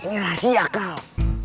ini rahasia kal